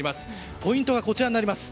ポイントはこちらになります。